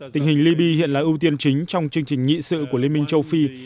tình hình liby hiện là ưu tiên chính trong chương trình nghị sự của liên minh châu phi